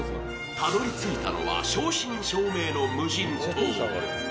たどり着いたのは、正真正銘の無人島。